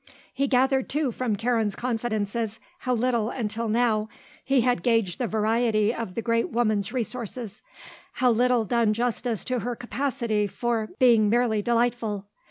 He gathered, too, from Karen's confidences, how little, until now, he had gauged the variety of the great woman's resources, how little done justice to her capacity for being merely delightful.